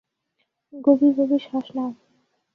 গভীরভাবে শ্বাস নাও।